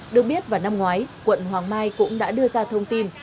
được biết vào năm ngoái quận hoàng mai cũng đã đưa ra thông tin